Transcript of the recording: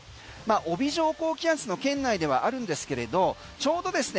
帯状高気圧の圏内ではあるんですけれどちょうどですね